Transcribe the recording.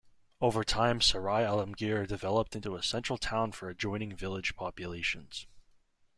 Over time, Sarai Alamgir developed into a central town for adjoining village populations.